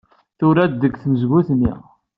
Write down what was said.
Turar-d deg tmezgunt-nni.